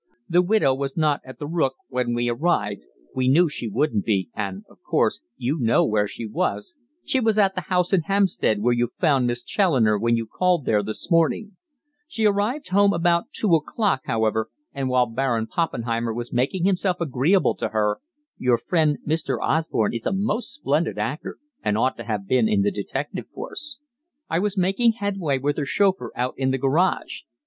The widow was not at 'The Book' when we arrived we knew she wouldn't be, and, of course, you know where she was, she was at the house in Hampstead where you found Miss Challoner when you called there this morning; she arrived home about two o'clock, however, and while 'Baron Poppenheimer' was making himself agreeable to her your friend Mr. Osborne is a most splendid actor, and ought to have been in the detective force I was making headway with her chauffeur out in the garage.